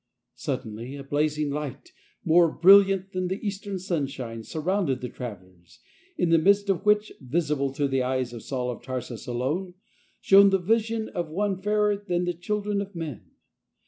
Suddenly a blazing light, more brilliant than the eastern sunshine, surrounded the travel lers, in the midst of which — visible to the eyes of Saul of Tarsus alone — shone the vision of One fairer than the children of men.